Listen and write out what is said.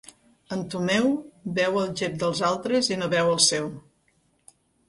En Tomeu veu el gep dels altres i no veu el seu.